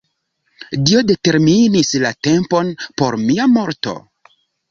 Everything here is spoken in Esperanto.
Dio determinis la tempon por mia morto.